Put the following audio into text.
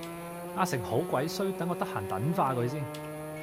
阿成好鬼衰等我得閒撚化佢先